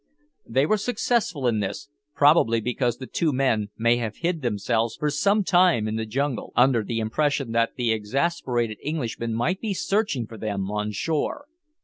They were successful in this, probably because the two men may have hid themselves for some time in the jungle, under the impression that the exasperated Englishmen might be searching for them on shore.